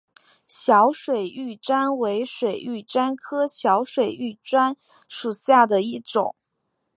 小水玉簪为水玉簪科小水玉簪属下的一个种。